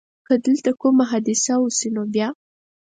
که دلته کومه حادثه وشي نو بیا؟